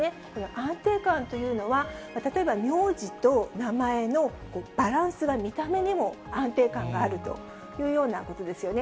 安定感というのは、例えば名字と名前のバランスが見た目にも安定感があるというようなことですよね。